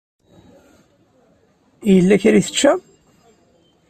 Yella kra i tečča?